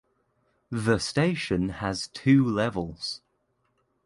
The station has two levels.